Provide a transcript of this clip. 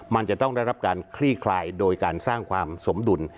มันจะต้องได้รับการคลี่คลายโดยการสร้างความสมดุล